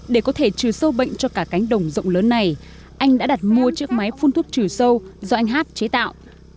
để có thể trừ sâu bệnh cho cả cánh đồng rộng lớn này anh đã đặt mua chiếc máy phun thuốc trừ sâu do anh hát chế tạo